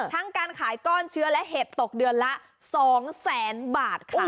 การขายก้อนเชื้อและเห็ดตกเดือนละ๒แสนบาทค่ะ